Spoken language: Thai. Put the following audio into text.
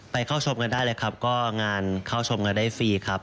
เข้าชมกันได้เลยครับก็งานเข้าชมกันได้ฟรีครับ